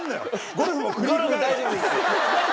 ゴルフ大丈夫です。